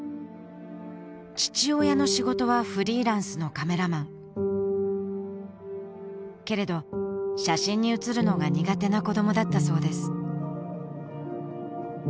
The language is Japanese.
父親の仕事はフリーランスのカメラマンけれど写真に写るのが苦手な子どもだったそうです